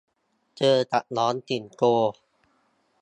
เจอกับน้องสิงโต